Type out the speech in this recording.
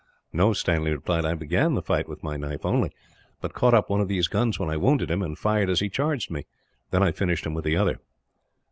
"No," Stanley replied; "I began the fight with my knife, only; but caught up one of those guns when I wounded him, and fired as he charged me. Then I finished him with the other."